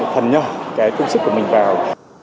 phần công sức của mình vào